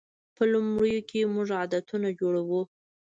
په لومړیو کې موږ عادتونه جوړوو.